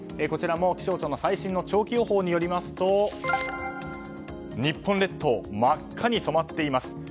こちらも気象庁の最新の長期予報によりますと日本列島真っ赤に染まっています。